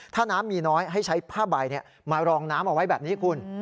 ถ้าน้ำมีน้อยให้ใช้ผ้าใบมารองน้ำเอาไว้แบบนี้คุณ